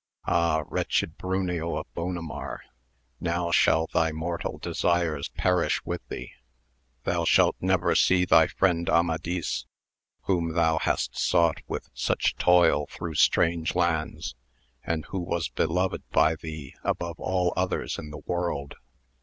Ah, wretched Bruneo of Bonamar, now shall thy mortal desires perish with thee ! thou shalt never see thy friend Amadis, whom thou hast sought with such toil through strange lands, and who was beloved by thee above all others in the world